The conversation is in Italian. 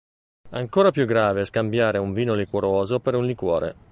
Ancora più grave scambiare un vino liquoroso per un liquore.